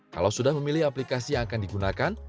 kalau sudah memilih aplikasi yang akan digunakan